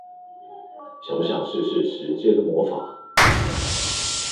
想不想試試時間的魔法